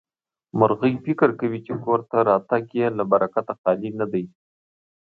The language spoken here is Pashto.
مرغۍ فکر کوي چې کور ته راتګ يې له برکته خالي نه دی.